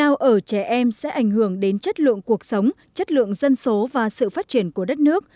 lao ở trẻ em sẽ ảnh hưởng đến chất lượng cuộc sống chất lượng dân số và sự phát triển của đất nước